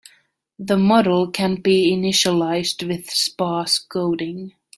The model can be initialized with sparse coding.